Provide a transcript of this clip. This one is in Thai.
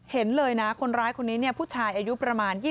เห็นเลยนะคนร้ายคนนี้ผู้ชายอายุประมาณ๒๐